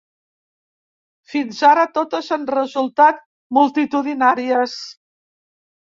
Fins ara totes han resultat multitudinàries.